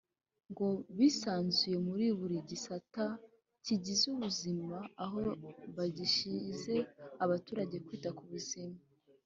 ngo bisanzuye muri buri gisata cyigize ubuzima aho bagishije abaturage kwita ku buzima